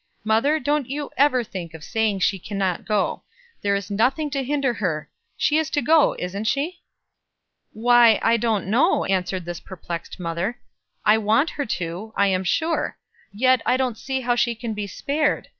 Mother, don't you ever think of saying that she can't go; there is nothing to hinder her. She is to go, isn't she?" "Why, I don't know," answered this perplexed mother. "I want her to, I am sure; yet I don't see how she can be spared.